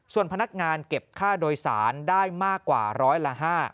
ส่วนพนักงานเก็บค่าโดยสารได้มากกว่าร้อยละ๕